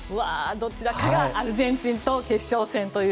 どちらかがアルゼンチンと決勝戦という。